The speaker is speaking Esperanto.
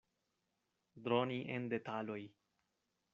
Droni en detaloj.